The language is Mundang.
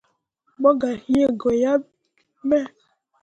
Mo gah yĩĩ goyaɓ me.